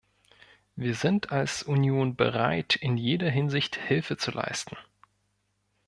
Wir sind als Union bereit, in jeder Hinsicht Hilfe zu leisten.